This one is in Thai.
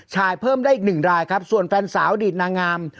เพิ่มได้อีกหนึ่งรายครับส่วนแฟนสาวอดีตนางงาม